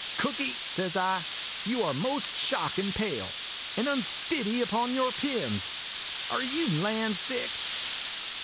" Cooky," says I, "you are most shockin' pale, and unstiddy upon your pins. Are you land sick